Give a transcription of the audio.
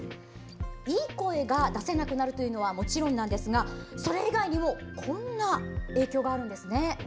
いい声が出せなくなるというのはもちろんなんですがそれ以外にもこんな影響があるんですね。